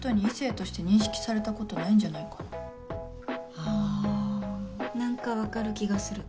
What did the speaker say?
うん何か分かる気がする。